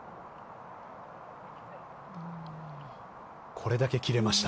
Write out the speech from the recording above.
これだけ切れました。